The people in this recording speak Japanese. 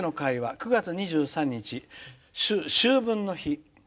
９月２３日、秋分の日。